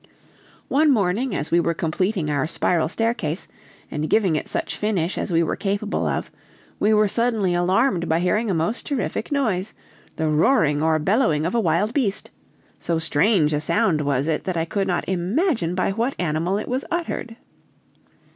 One morning, as we were completing our spiral staircase, and giving it such finish as we were capable of, we were suddenly alarmed by hearing a most terrific noise, the roaring or bellowing of a wild beast; so strange a sound was it, that I could not imagine by what animal it was uttered.